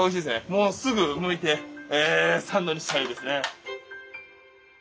もうすぐむいてサンドにしたいですね。